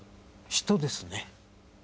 人ですね。